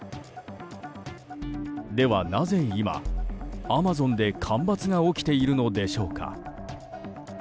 では、なぜ今アマゾンで干ばつが起きているのでしょうか。